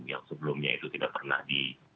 yang sebelumnya itu tidak pernah di